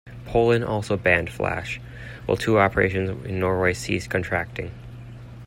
Poland also banned Flash, while tour operators in Norway ceased contracting.